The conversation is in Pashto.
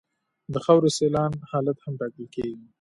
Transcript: د خاورې سیلان حالت هم ټاکل کیږي